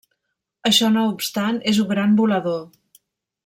Això no obstant, és un gran volador.